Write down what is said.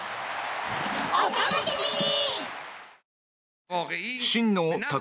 お楽しみに！